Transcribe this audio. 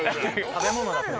食べ物？